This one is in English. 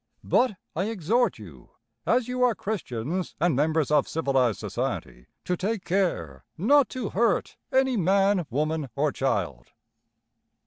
But I exhort you, as you are Christians and members of civilized society, to take care not to hurt any man, woman, or child!'"